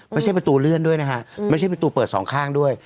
ไม่ใช่ประตูเลื่อนด้วยนะฮะไม่ใช่ประตูเปิดสองข้างด้วย